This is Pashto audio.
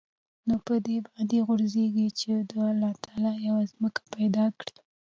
نو په دې باندې ځوريږي چې د الله تعال يوه ځمکه پېدا کړى.